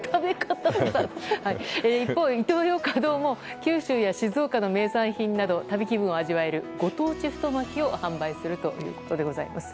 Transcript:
一方、イトーヨーカドーも九州や静岡の名産品など旅気分を味わえるご当地太巻きを販売するということです。